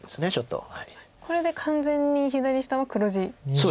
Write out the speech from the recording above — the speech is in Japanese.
これで完全に左下は黒地ですね。